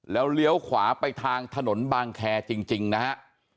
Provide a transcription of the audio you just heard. แล้วเลี้ยวขวาไปทางถนนบางแคร์จริงนะฮะ